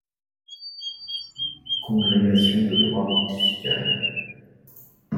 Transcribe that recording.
Congrégation de droit pontifical.